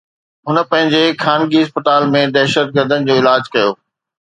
هن پنهنجي خانگي اسپتال ۾ دهشتگردن جو علاج ڪيو